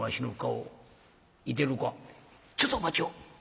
「ちょっとお待ちを。